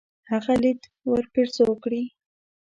هغه ليد ورپېرزو کړي.